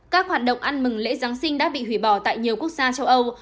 các hoạt động ăn mừng lễ giáng sinh đã bị hủy bỏ tại nhiều quốc gia châu âu